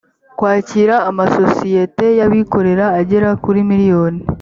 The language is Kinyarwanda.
kwakira amasosiyete y abikorera agera kuri miliyoni